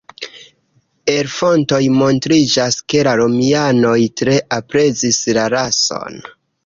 El fontoj montriĝas ke la Romianoj tre aprezis la rason.